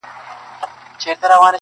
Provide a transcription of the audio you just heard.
د ښايسته ساقي په لاس به جام گلنار وو!.